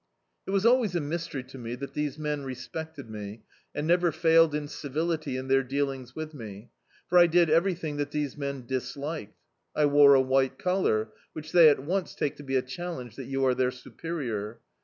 It was always a mysteiy to me that these men respected me and never failed in civility in their dealings with me, for I did everything that these men disliked. I wore a white collar, which they at once take to be a challenge that you are their supe rior.